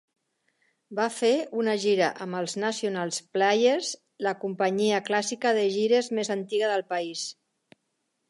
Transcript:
Va fer una gira amb els National Players, la companyia clàssica de gires més antiga del país.